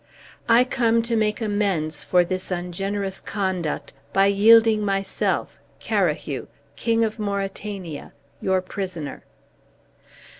I come to make amends for this ungenerous conduct by yielding myself, Carahue, King of Mauritania, your prisoner."